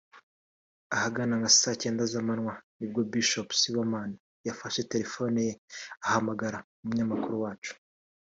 Ahagana nka Saa Cyenda z’amanywa ni bwo Bishop Sibomana yafashe telefone ye ahamagara umunyamakuru wacu